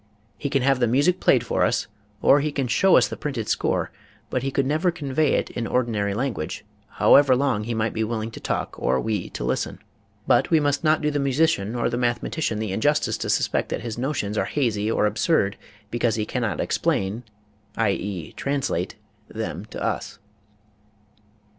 He can have, the music played for us or he can show us the printed score but he could never convey it in ordinary lan guage however long he might be willing to talk or we to listen. But we must not do the musician or the mathematician the injustice to suspect that his notions are hazy or absurd because he cannot explain (i.e. translate) them to us.